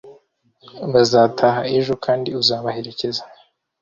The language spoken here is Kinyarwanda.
Bazataha ejo. Kandi Uzabaherekeza?